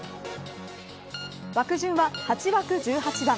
枠順は８枠１８番。